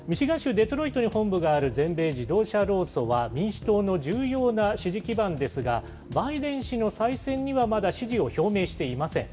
デトロイトに本部がある全米自動車労組は、民主党の重要な支持基盤ですが、バイデン氏の再選にはまだ支持を表明していません。